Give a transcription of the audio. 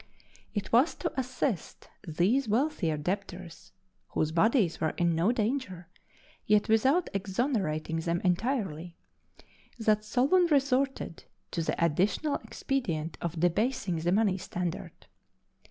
It was to assist these wealthier debtors, whose bodies were in no danger yet without exonerating them entirely that Solon resorted to the additional expedient of debasing the money standard.